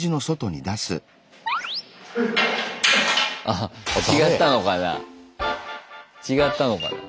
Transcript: あはっ違ったのかな？